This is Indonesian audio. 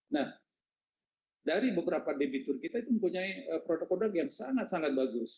nah dari beberapa debitur kita itu mempunyai produk produk yang sangat sangat bagus